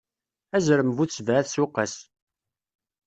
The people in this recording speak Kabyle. Azrem bu sebɛa tsuqqas.